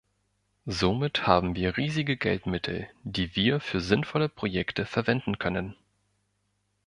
Somit haben wir riesige Geldmittel, die wir für sinnvolle Projekte verwenden können.